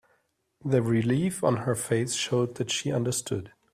The relief on her face showed that she understood.